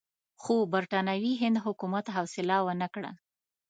خو برټانوي هند حکومت حوصله ونه کړه.